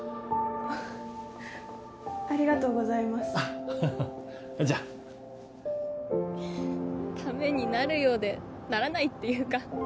フフありがとうございますハハじゃあためになるようでならないっていうか。